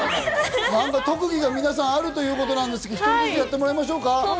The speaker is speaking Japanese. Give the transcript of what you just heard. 特技が皆さんあるということで、１人ずつやってもらいましょうか。